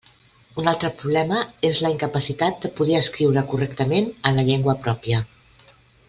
Un altre problema és la incapacitat de poder escriure correctament en la llengua pròpia.